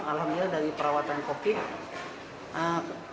alhamdulillah dari perawatan covid